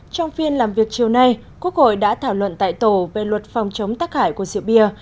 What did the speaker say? trong phiên làm việc chiều nay quốc hội đã thảo luận tại tổ về luật phòng chống tác hại của rượu bia